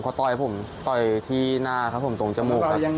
เขาต่อยผมต่อยที่หน้าครับผมตรงจมูกครับ